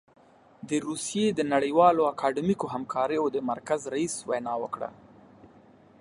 د روسيې د نړیوالو اکاډمیکو همکاریو د مرکز رییس وینا وکړه.